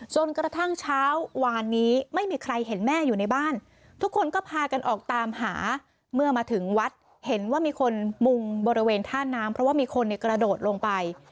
จนกระทั่งเช้าวานนี้ไม่มีใครเห็นแม่อยู่ในบ้านทุกคนก็พากันออกตามหาเมื่อมาถึงวัดเห็นว่ามีคนมุงบริเวณท่าน้ำเพราะว่ามีคนในกระโดดลงไป